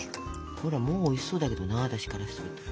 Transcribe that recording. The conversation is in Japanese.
ほらもうおいしそうだけどな私からすると。